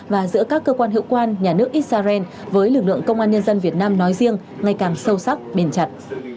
và giữa các cơ quan hữu quan nhà nước israel với lực lượng công an nhân dân việt nam nói riêng ngày càng sâu sắc bền chặt